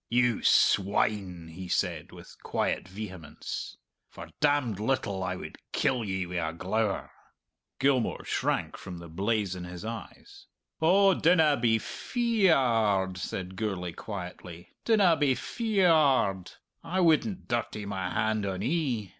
"You swine!" he said, with quiet vehemence; "for damned little I would kill ye wi' a glower!" Gilmour shrank from the blaze in his eyes. "Oh, dinna be fee ee ared," said Gourlay quietly, "dinna be fee ee ared. I wouldn't dirty my hand on 'ee!